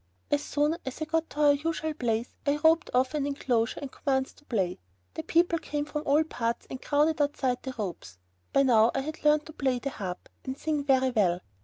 As soon as I got to our usual place I roped off an inclosure and commenced to play. The people came from all parts and crowded outside the ropes. By now I had learnt to play the harp and sing very well.